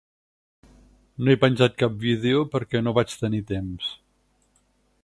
No he penjat cap vídeo perquè no vaig tenir temps.